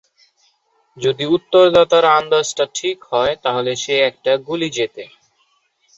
যদি উত্তরদাতার আনন্দাজটা ঠিক হয় তাহলে সে একটা গুলি জেতে।